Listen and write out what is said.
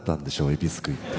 えびすくいって。